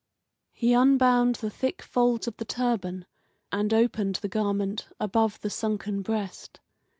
He unbound the thick folds of the turban and opened the garment above the sunken breast.